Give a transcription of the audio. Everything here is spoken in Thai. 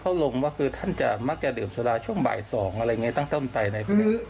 ท่านก็เรียกทักโทษทันทีนะครับผมโทษยังไม่ได้